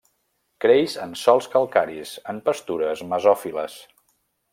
Creix en sòls calcaris, en pastures mesòfiles.